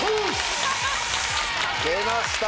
出ました